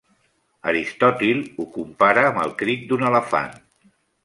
Aristòtil ho compara amb el crit d'un elefant.